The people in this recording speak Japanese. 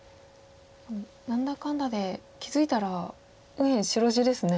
何だかんだで気付いたら右辺白地ですね。